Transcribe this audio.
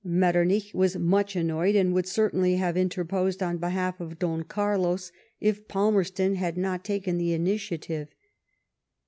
Metternich was much annoyed, and would certainly have interposed on behalf of Don Carlos if Palmerston had not taken the initiative.